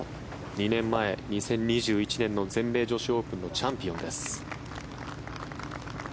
２年前、２０２１年の全米女子オープンのチャンピオンです。